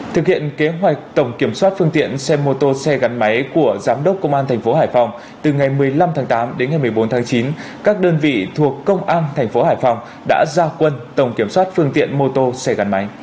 thực hiện kế hoạch tổng kiểm soát phương tiện xe mô tô xe gắn máy của giám đốc công an thành phố hải phòng từ ngày một mươi năm tháng tám đến ngày một mươi bốn tháng chín các đơn vị thuộc công an thành phố hải phòng đã ra quân tổng kiểm soát phương tiện mô tô xe gắn máy